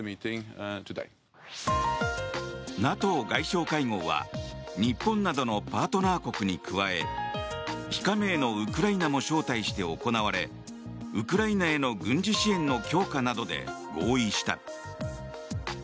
ＮＡＴＯ外相会合は日本などのパートナー国に加え非加盟のウクライナも招待して行われウクライナへの軍事支援の強化などで合意した。